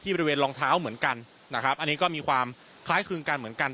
บริเวณรองเท้าเหมือนกันนะครับอันนี้ก็มีความคล้ายคลึงกันเหมือนกัน